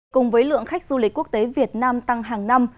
cùng với lượng khách du lịch quốc tế việt nam tăng hàng năm